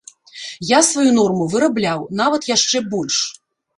Я сваю норму вырабляў, нават яшчэ больш.